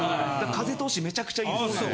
風通しめちゃくちゃいいですね。